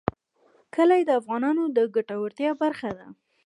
کلي د افغانانو د ګټورتیا برخه ده.